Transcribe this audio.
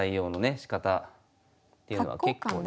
しかたっていうのは結構ね。